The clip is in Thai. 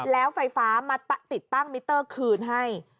แล้วไฟฟ้ามาติดตั้งมิเตอร์คืนให้